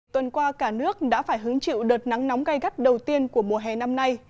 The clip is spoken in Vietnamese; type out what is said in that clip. tuần qua cả nước đã phải hứng chịu đợt nắng nóng gai gắt đầu tiên của mùa hè năm nay